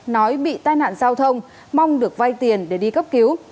nói bị tai nạn giao thông mong được vay tiền để đi cấp cứu